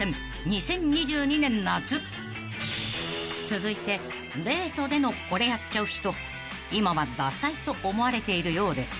［続いてデートでのこれやっちゃう人今はダサいと思われているようです］